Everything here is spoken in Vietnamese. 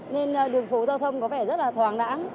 nên đường phố giao thông có vẻ rất là thoáng lãng